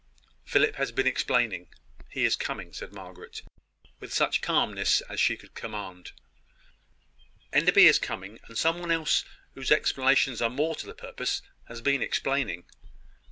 "Philip has been explaining He is coming," said Margaret, with such calmness as she could command. "Enderby is coming; and some one else, whose explanations are more to the purpose, has been explaining.